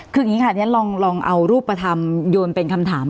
คืออย่างนี้ค่ะลองเอารูปธรรมโยนเป็นคำถาม